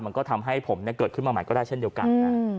มันก็ทำให้ผมเกิดขึ้นมาใหม่ก็ได้เช่นเดียวกันนะ